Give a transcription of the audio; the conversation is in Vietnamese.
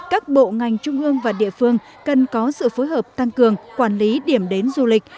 các bộ ngành trung ương và địa phương cần có sự phối hợp tăng cường quản lý điểm đến du lịch